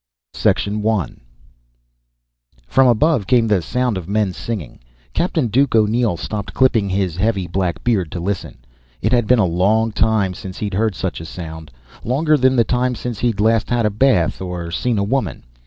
_ BY LESTER del REY Illustrated by Rogers I From above came the sound of men singing. Captain Duke O'Neill stopped clipping his heavy black beard to listen. It had been a long time since he'd heard such a sound longer than the time since he'd last had a bath or seen a woman.